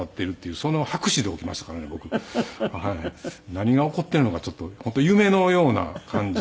何が起こっているのかちょっと本当夢のような感じで。